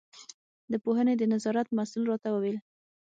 د پوهنې د نظارت مسوول راته وویل.